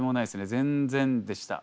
全然でした。